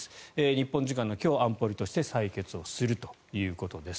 日本時間の今日、安保理として採決するということです。